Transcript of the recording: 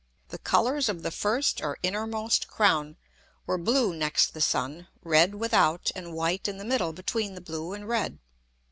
The Colours of the first or innermost Crown were blue next the Sun, red without, and white in the middle between the blue and red.